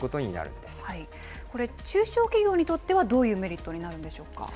これ、中小企業にとってはどういうメリットになるんでしょうか。